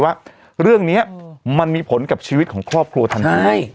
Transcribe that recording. ว่าเรื่องนี้มันมีผลกับชีวิตของครอบครัวทันที